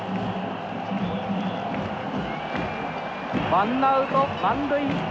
ワンアウト満塁。